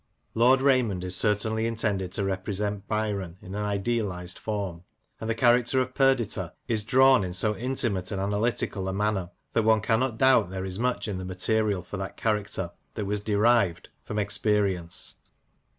Lord Raymond is certainly intended to represent Byron in an idealized form ; and the character of Perdita is drawn in so intimate and analytical a manner that one cannot doubt there is much in the material for that character that was derived from 24 SHELLEY, " PETERLOO;' AND experience.